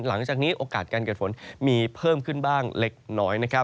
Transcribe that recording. หลังจากนี้โอกาสการเกิดฝนมีเพิ่มขึ้นบ้างเล็กน้อยนะครับ